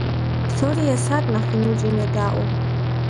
Псори есат нэхъ ину кӀийм едаӀуэу.